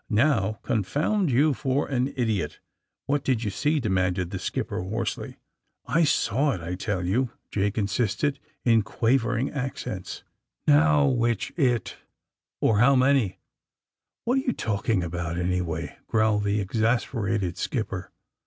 '*Now, confound you for an idiot! What did you see?" demanded the skipper, hoarsely. *'I saw it, I tell you!" Jake insisted, in quav ering accents. AND THE SMUGGLEKS 191 '*Now wMcli it? Or how many? What are you talking about, anyway T' growled the ex asperated skipper.